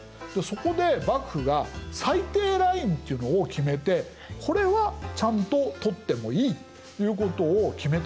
そこで幕府が最低ラインっていうのを決めてこれはちゃんと取ってもいいということを決めたんです。